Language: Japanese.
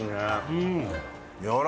うん。